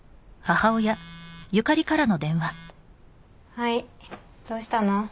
はいどうしたの？